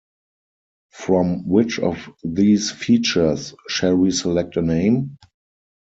From which of these features shall we select a name?